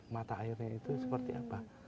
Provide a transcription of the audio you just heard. mata airnya itu seperti apa